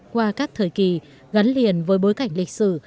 qua các thời kỳ gắn liền với bối cảnh lịch sử